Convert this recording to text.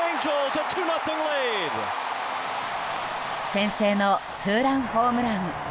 先制のツーランホームラン。